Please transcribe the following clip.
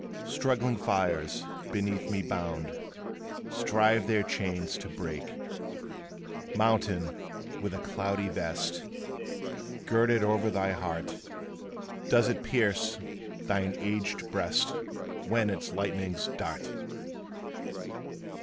Struggling fires, beneath me bound, Strive their chains to break." Mountain, with a cloudy vest Girded o'er thy heart, Does it pierce thine aged breast, When its lightnings dart?